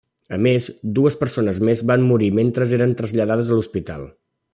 A més, dues persones més van morir mentre eren traslladades a l'hospital.